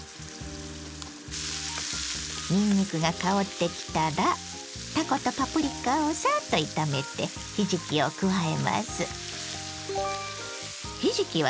にんにくが香ってきたらたことパプリカをさっと炒めてひじきを加えます。